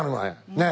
ねえ？